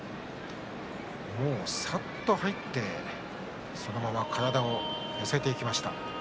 さっと入ってそのまま体を寄せていきました。